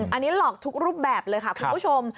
อันนี้หลอกทุกรูปแบบเลยค่ะคุณผู้ชม